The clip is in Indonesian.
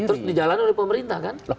terus dijalan oleh pemerintah kan